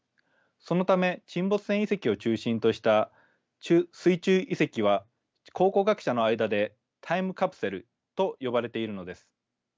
そのため沈没船遺跡を中心とした水中遺跡は考古学者の間でタイムカプセルと呼ばれているのです。